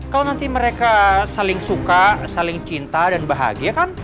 kalau nanti mereka saling suka saling cinta dan bahagia kan